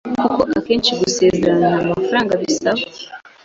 kuko ahenshi gusezerana nta mafaranga bisaba